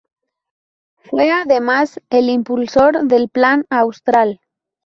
Fue, además, el impulsor del Plan Austral.